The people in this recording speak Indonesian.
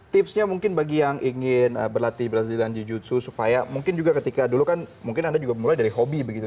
tipsnya mungkin bagi yang ingin berlatih brazilian jiu jitsu supaya mungkin juga ketika dulu kan mungkin anda juga mulai dari hobi begitu